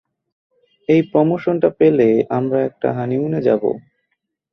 এই প্রমোশনটা পেলে, আমরা একটা হানিমুনে যাবো।